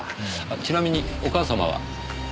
ちなみにお母様は？